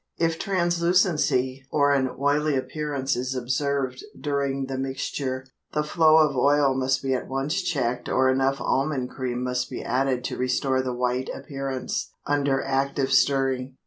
If translucency or an oily appearance is observed during the mixture, the flow of oil must be at once checked or enough almond cream must be added to restore the white appearance, under active stirring.